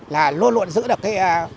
là luôn luôn giữ được cái